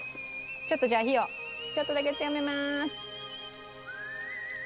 ちょっとじゃあ火をちょっとだけ強めます。